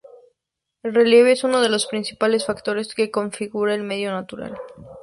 El relieve es uno de los principales factores que configura el medio natural.